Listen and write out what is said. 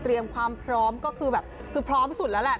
เตรียมความพร้อมก็คือแบบพร้อมสุดแล้วแหละ